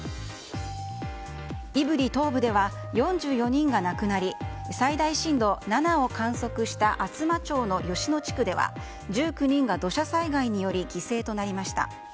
胆振東部では４４人が亡くなり最大震度７を観測した厚真町の吉野地区では１９人が土砂災害により犠牲となりました。